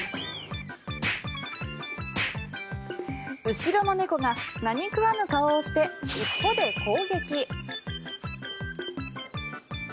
後ろの猫が何食わぬ顔をして尻尾で攻撃。